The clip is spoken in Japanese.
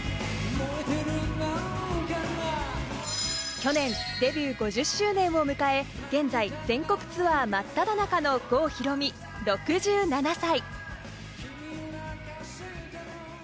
去年、デビュー５０周年を迎え、現在全国ツアー真っ只中の郷ひろみ・６７歳。